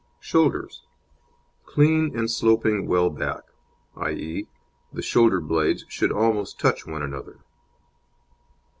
SHOULDERS Clean and sloping well back, i.e., the shoulder blades should almost touch one another.